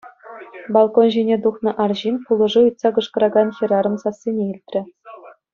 Балкон ҫине тухнӑ арҫын пулӑшу ыйтса кӑшкӑракан хӗрарӑм сассине илтрӗ.